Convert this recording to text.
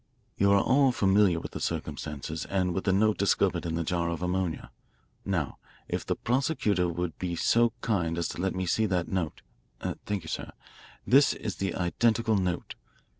You are all familiar with the circumstances and with the note discovered in the jar of ammonia. Now, if the prosecutor will be so kind as to let me see that note thank you, sir. This is the identical note.